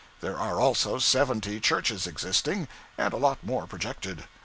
There are also seventy churches existing, and a lot more projected.